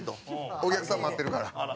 お客さん、待ってるから。